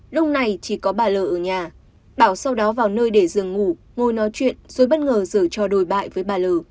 lúc này chỉ có bà l ở nhà bảo sau đó vào nơi để dừng ngủ ngồi nói chuyện rồi bất ngờ dở cho đổi bại với bà l